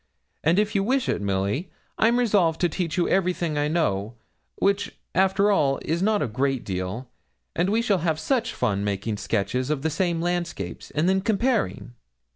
And if you wish it, Milly, I'm resolved to teach you everything I know, which, after all, is not a great deal, and we shall have such fun making sketches of the same landscapes, and then comparing.'